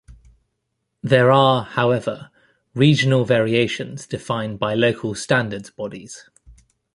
There are, however, regional variations defined by local standards bodies.